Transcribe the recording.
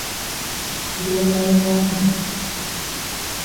global warming